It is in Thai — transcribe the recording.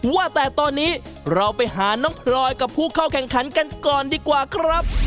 ว่าแต่ตอนนี้เราไปหาน้องพลอยกับผู้เข้าแข่งขันกันก่อนดีกว่าครับ